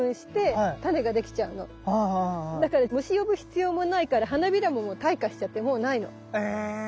だから虫呼ぶ必要もないから花びらも退化しちゃってもう無いの。え！